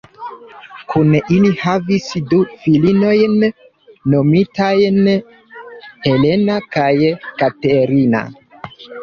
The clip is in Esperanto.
Kune ili havis du filinojn nomitajn Helena kaj Katerina.